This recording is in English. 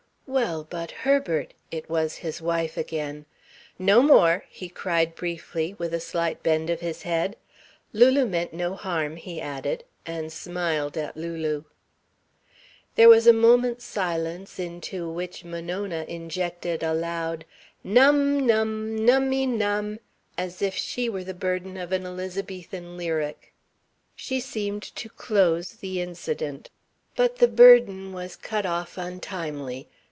"Well, but, Herbert " It was his wife again. "No more," he cried briefly, with a slight bend of his head. "Lulu meant no harm," he added, and smiled at Lulu. There was a moment's silence into which Monona injected a loud "Num, num, num my num," as if she were the burden of an Elizabethan lyric. She seemed to close the incident. But the burden was cut off untimely.